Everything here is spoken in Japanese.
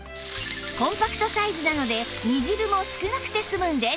コンパクトサイズなので煮汁も少なくて済むんです